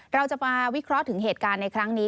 เราจะมาวิเคราะห์ถึงเหตุการณ์ในครั้งนี้